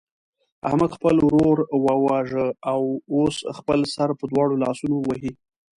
احمد خپل ورور وواژه او اوس خپل سر په دواړو لاسونو وهي.